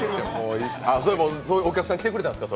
それでお客さん来てくれたんですか。